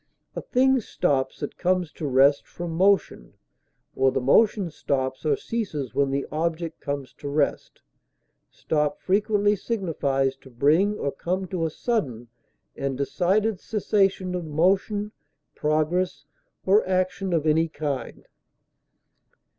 A thing stops that comes to rest from motion; or the motion stops or ceases when the object comes to rest; stop frequently signifies to bring or come to a sudden and decided cessation of motion, progress, or action of any kind.